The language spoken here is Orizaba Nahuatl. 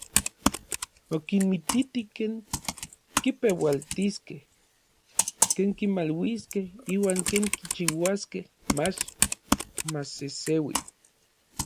Okinmititi ken kipeualtiskej, ken kimaluiskej uan ken kichiuaskej mach maseseui.